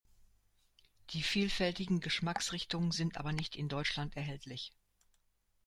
Die vielfältigen Geschmacksrichtungen sind aber nicht in Deutschland erhältlich.